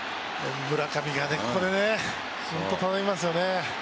村上がここでね、本当に頼みますよね。